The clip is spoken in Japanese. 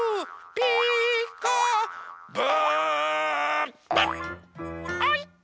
「ピーカーブ！」